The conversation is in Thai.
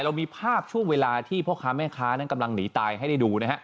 เรามีภาพช่วงเวลาที่พ่อค้าแม่ค้านั้นกำลังหนีตายให้ได้ดูนะฮะ